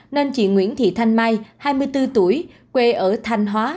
nên chị nguyễn thị thanh mai hai mươi bốn tuổi quê ở thanh hóa